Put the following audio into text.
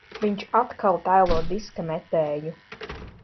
Viņš atkal tēlo diska metēju.